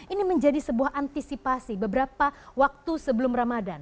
ini menjadi sebuah antisipasi beberapa waktu sebelum ramadan